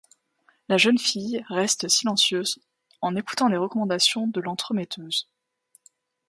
La jeune fille reste silencieuse en écoutant les recommandations de l'entremetteuse.